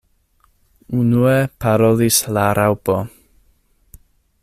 Unue parolis la Raŭpo.